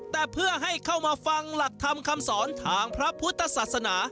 แต่เพื่อให้เข้ามาฟังหลักธรรมคำสอนทางพระพุทธศาสนา